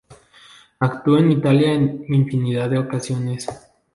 Actuó en Italia en infinidad de ocasiones.